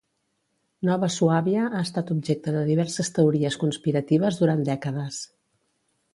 Nova Suàbia ha estat objecte de diverses teories conspiratives durant dècades.